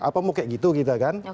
apa mau kayak gitu gitu kan